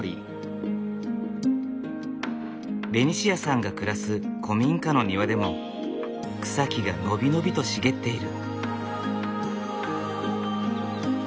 ベニシアさんが暮らす古民家の庭でも草木が伸び伸びと茂っている。